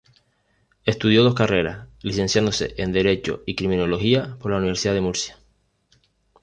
Estudió dos carreras, licenciándose en Derecho y Criminología por la Universidad de Murcia.